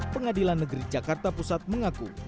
pengadilan negeri jakarta pusat mengaku